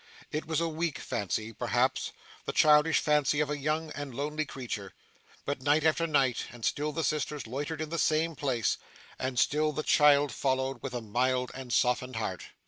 It was a weak fancy perhaps, the childish fancy of a young and lonely creature; but night after night, and still the sisters loitered in the same place, and still the child followed with a mild and softened heart.